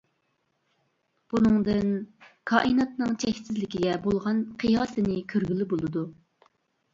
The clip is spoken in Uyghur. بۇنىڭدىن كائىناتنىڭ چەكسىزلىكىگە بولغان قىياسىنى كۆرگىلى بولىدۇ.